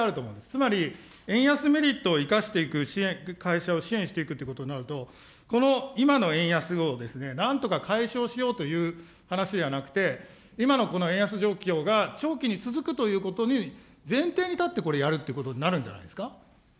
つまり円安メリットを生かしていく会社を支援していくということになると、この今の円安を、なんとか解消しようという話ではなくて、今のこの円安状況が長期に続くということに、前提に立ってこれ、やるということになるんじゃないですか。